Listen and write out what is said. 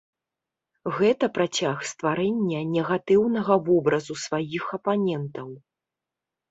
Гэта працяг стварэння негатыўнага вобразу сваіх апанентаў.